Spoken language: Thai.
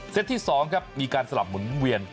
ที่๒ครับมีการสลับหมุนเวียน